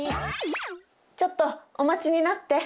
ちょっとお待ちになって。